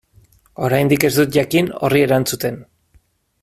Oraindik ez dut jakin horri erantzuten.